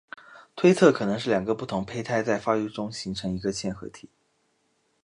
推测可能是两个不同胚胎在发育中形成一个嵌合体。